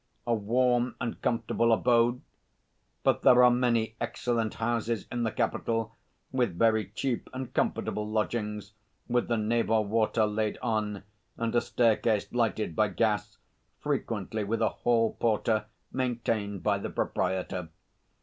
A warm and comfortable abode? But there are many excellent houses in the capital with very cheap and comfortable lodgings, with the Neva water laid on, and a staircase lighted by gas, frequently with a hall porter maintained by the proprietor.